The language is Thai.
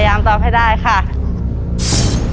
ตัวเลือดที่๑พศ๒๕๔๕